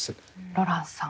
ロランスさん